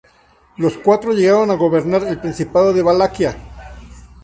Los cuatro llegaron a gobernar el principado de Valaquia.